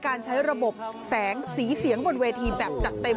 การใช้ระบบแสงสีเสียงบนเวทีแบบจัดเต็ม